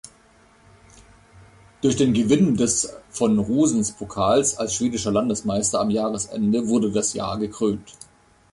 Durch den Gewinn des Von-Rosens-Pokals als schwedischer Landesmeister am Jahresende wurde das Jahr gekrönt.